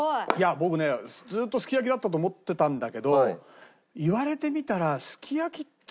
僕ねずっとすき焼きだと思ってたんだけど言われてみたらすき焼きって。